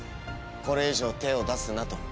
これ以上手を出すなと。